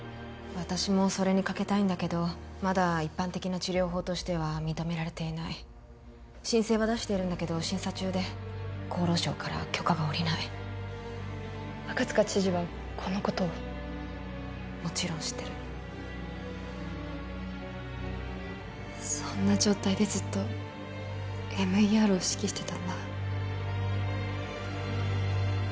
私もそれに賭けたいんだけどまだ一般的な治療法としては認められていない申請は出しているんだけど審査中で厚労省から許可が下りない赤塚知事はこのことをもちろん知ってるそんな状態でずっとＭＥＲを指揮してたんだ